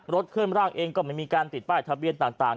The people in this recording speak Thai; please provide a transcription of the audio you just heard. เคลื่อนร่างเองก็ไม่มีการติดป้ายทะเบียนต่าง